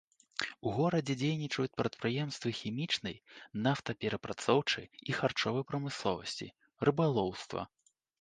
У горадзе дзейнічаюць прадпрыемствы хімічнай, нафтаперапрацоўчай і харчовай прамысловасці, рыбалоўства.